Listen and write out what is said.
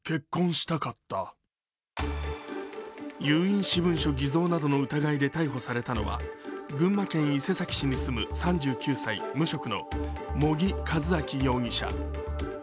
有印私文書偽造などの疑いで逮捕されたのは、群馬県伊勢崎市に住む３９歳無職の茂木和昭容疑者。